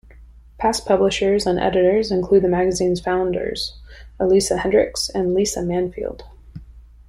Past publishers and editors include the magazine's founder, Elisa Hendricks, and Lisa Manfield.